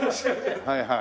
はいはい。